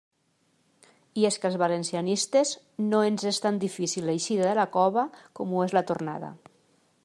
I és que als valencianistes no ens és tan difícil l'eixida de la cova com ho és la tornada.